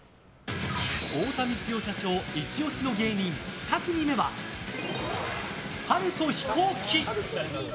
太田光代社長イチ押しの芸人２組目は、春とヒコーキ。